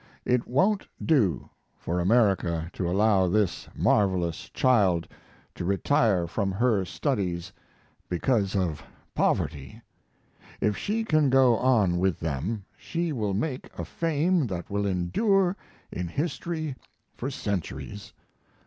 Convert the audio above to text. It won't do for America to allow this marvelous child to retire from her studies because of poverty. If she can go on with them she will make a fame that will endure in history for centuries.